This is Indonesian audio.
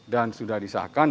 dan sudah disahkan